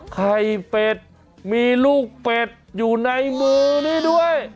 ไข่เป็ดมีลูกเป็ดอยู่ในมือนี้ด้วย